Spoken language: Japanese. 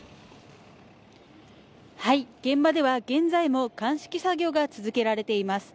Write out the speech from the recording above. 現場では現在も鑑識作業が続けられています。